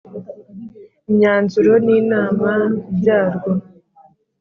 imyanzuro n inama byarwo